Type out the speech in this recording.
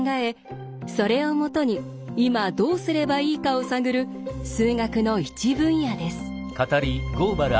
それをもとに今どうすればいいかを探る数学の一分野です。